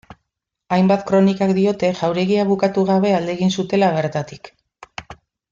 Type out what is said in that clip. Hainbat kronikek diote jauregia bukatu gabe alde egin zutela bertatik.